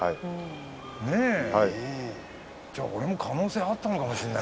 じゃあ俺も可能性あったのかも。